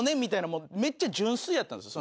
めっちゃ純粋やったんですよ。